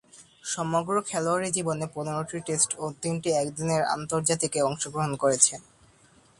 সমগ্র খেলোয়াড়ী জীবনে পনেরোটি টেস্ট ও তিনটি একদিনের আন্তর্জাতিকে অংশগ্রহণ করেছেন।